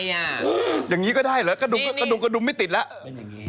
อย่างนี้ก็ได้แล้วกระดุงกระดุงมันไม่ติดแล้ว